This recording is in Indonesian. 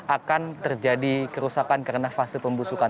akan terjadi kerusakan karena fase pembusukan